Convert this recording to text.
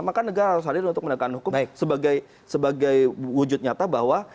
maka negara harus hadir untuk menegakkan hukum sebagai wujud nyata bahwa